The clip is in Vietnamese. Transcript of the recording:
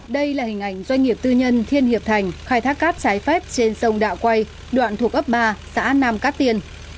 đây là hình ảnh doanh nghiệp tư nhân thiên hiệp thành khai thác cát trái phép trên sông đạo quay đoạn thuộc ấp ba xã nam cát tiên